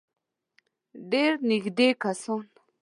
ډېر نېږدې کسان.